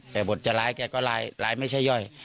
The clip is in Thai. แต่บทจะร้ายแกก็ร้ายไม่ใช่ย่อย